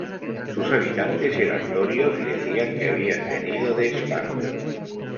Sus habitantes eran dorios y decían que habían venido de Esparta.